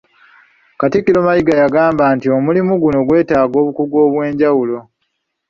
Katikkiro Mayiga yagamba nti omulimu guno gwetaaga obukugu obwenjawulo